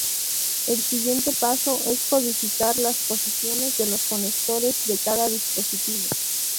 El siguiente paso es codificar las posiciones de los conectores de cada dispositivo.